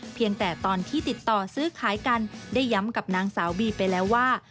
เพียงแต่ตอนที่ติดต่อซื้อขายกันได้ย้ำกับนางสาวบีไปแล้วว่า